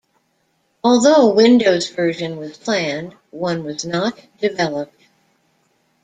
Although a Windows version was planned, one was not developed.